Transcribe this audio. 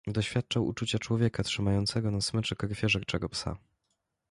"Doświadczał uczucia człowieka, trzymającego na smyczy krwiożerczego psa."